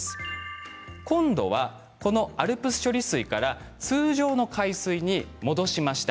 今度はこのＡＬＰＳ処理水から通常の海水に戻しました。